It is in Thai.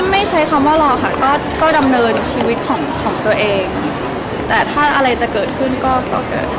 ไม่ใช้คำว่ารอค่ะก็ก็ดำเนินชีวิตของของตัวเองแต่ถ้าอะไรจะเกิดขึ้นก็ก็เกิดค่ะ